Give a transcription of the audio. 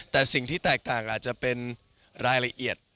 แต่สิ่งที่แตกต่างอาจจะเป็นรายละเอียด